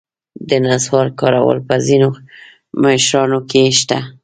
د نصوارو کارول په ځینو مشرانو کې شته.